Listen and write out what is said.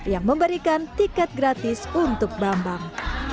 yang memberikan tiket gratis untuk bambang